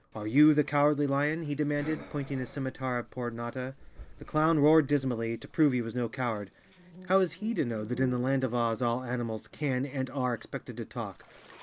Are you the Cow¬ ardly Lion?" he demanded, pointing his scimitar at poor Notta. The clown roared dismally, to prove he was no coward. How was he to know that in the land of Oz all animals can and are expected to talk?